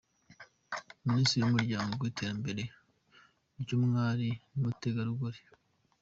Minisitiri w’ umuryango n’ iterambere ry’umwari n’ umutegarugori.